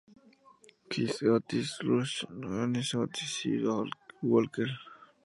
King, Otis Rush, Johnny Otis y T-Bone Walker.